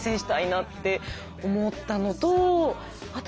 あと